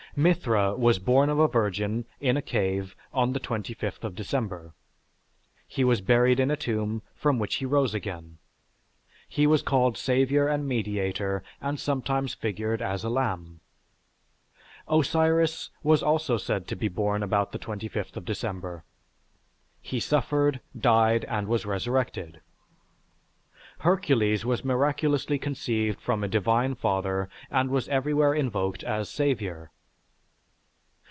Mithra was born of a virgin, in a cave, on the 25th of December. He was buried in a tomb from which he rose again. He was called savior and mediator and sometimes figured as a lamb. Osiris was also said to be born about the 25th of December; he suffered, died, and was resurrected. Hercules was miraculously conceived from a divine father and was everywhere invoked as savior.